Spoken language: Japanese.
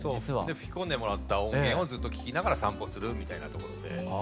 吹き込んでもらった音源をずっと聴きながら散歩するみたいな。